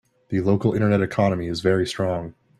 The local internet economy is very strong.